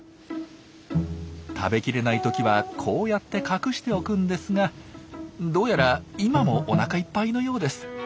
食べきれない時はこうやって隠しておくんですがどうやら今もおなかいっぱいのようです。